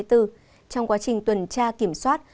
trong quá trình tuần tra kiểm soát